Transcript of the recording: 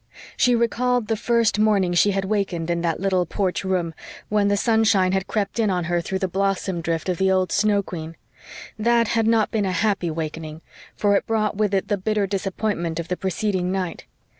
She recalled the first morning she had wakened in that little porch room, when the sunshine had crept in on her through the blossom drift of the old Snow Queen. That had not been a happy wakening, for it brought with it the bitter disappointment of the preceding night.